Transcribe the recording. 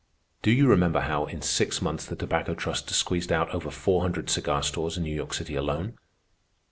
Do you remember how, in six months, the Tobacco Trust squeezed out over four hundred cigar stores in New York City alone?